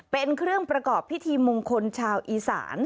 เป็นเครื่องประกอบพิธีมงคลชาวอีสาน